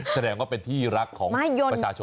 แสดงว่าเป็นที่รักของประชาชน